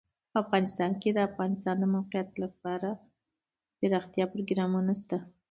افغانستان کې د د افغانستان د موقعیت لپاره دپرمختیا پروګرامونه شته.